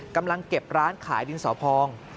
กำลังเก็บร้านขายดินสอพอง